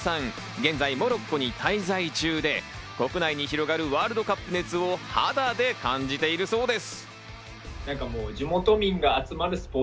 現在モロッコに滞在中で国内に広がるワールドカップ熱を肌で感じているそうです。